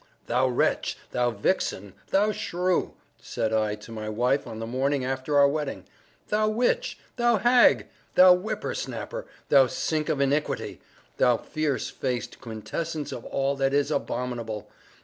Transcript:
"Thou wretch!—thou vixen!—thou shrew!" said I to my wife on the morning after our wedding; "thou witch!—thou hag!—thou whippersnapper—thou sink of iniquity!—thou fiery faced quintessence of all that is abominable!